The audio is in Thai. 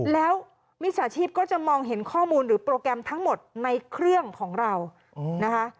แล้วมิจฉาชีพก็จะมองเห็นข้อมูลหรือโปรแกรมทั้งหมดในเครื่องของเรานะคะ